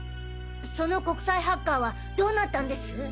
その国際ハッカーはどうなったんです？